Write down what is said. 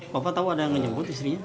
bapak tahu ada yang menyebut istrinya